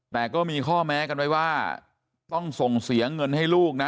แต่ก็มีข้อแม้กันไว้ว่าต้องส่งเสียเงินให้ลูกนะ